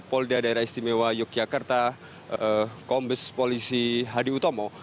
polda daerah istimewa yogyakarta kombes polisi hadi utomo